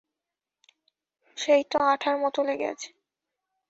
সেই তো আঠার মত লেগে আছে।